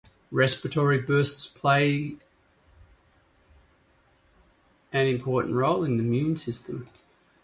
Respiratory burst plays an important role in the immune system.